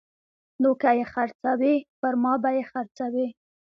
نو که یې خرڅوي پرما به یې خرڅوي